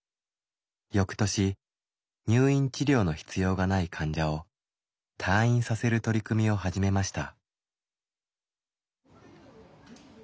翌年入院治療の必要がない患者を退院させる取り組みを始めました。